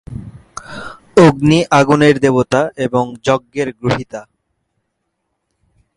অগ্নি আগুনের দেবতা এবং যজ্ঞের গ্রহীতা।